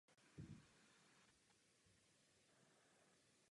Marco Amelia reprezentoval Itálii již v mládežnických kategoriích.